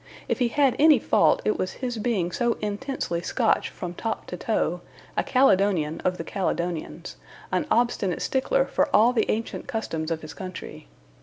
If he had any fault it was his being so intensely Scotch from top to toe, a Caledonian of the Caledonians, an obstinate stickler for all the ancient customs of his country.